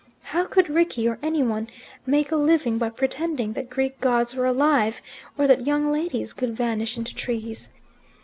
How could Rickie, or any one, make a living by pretending that Greek gods were alive, or that young ladies could vanish into trees?